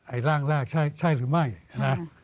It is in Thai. ร่างแรกใช่หรือไม่นะ